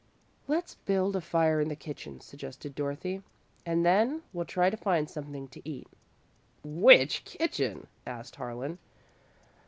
"Let's build a fire in the kitchen," suggested Dorothy, "and then we'll try to find something to eat." "Which kitchen?" asked Harlan.